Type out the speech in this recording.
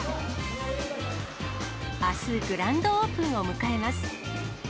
あす、グランドオープンを迎えます。